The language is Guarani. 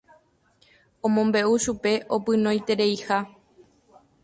omombe'u chupe opynoitereiha